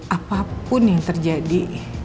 apapun yang terjadi